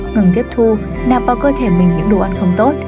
ngừng tiếp thu nạp vào cơ thể mình những đồ ăn không tốt